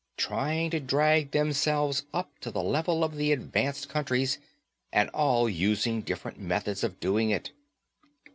Trying to drag themselves up to the level of the advanced countries, and all using different methods of doing it.